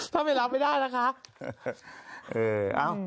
ถ้าไม่รับไม่ได้นะคะ